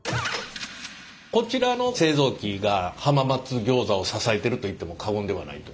こちらの製造機が浜松餃子を支えてると言っても過言ではないという。